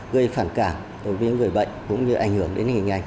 gây phản cảm đối với người bệnh cũng như ảnh hưởng đến hình ảnh